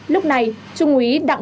lúc này trung úy đặng